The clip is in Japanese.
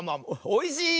おいしい！